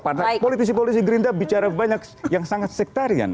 pada politisi politisi gerinda bicara banyak yang sangat sektarian